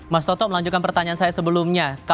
mas toto melanjutkan pertanyaan saya sebelumnya